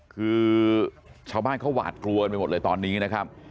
คือชาวบ้านเขาหวาดกลัวกันไปหมดเลยตอนนี้นะครับ